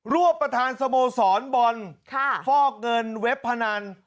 วบประธานสโมสรบอลฟอกเงินเว็บพนัน